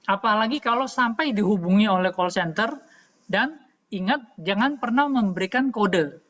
apalagi kalau sampai dihubungi oleh call center dan ingat jangan pernah memberikan kode